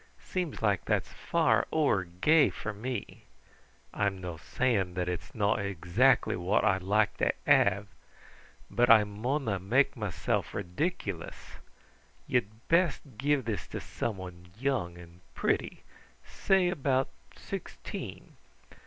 Seems like that's far ower gay for me. I'm no' saying that it's no' exactly what I'd like to hae, but I mauna mak mysel' ridiculous. Ye'd best give this to somebody young and pretty, say about sixteen.